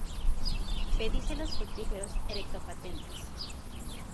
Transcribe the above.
Pedicelos fructíferos erecto-patentes.